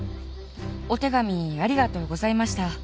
お手紙ありがとうございました。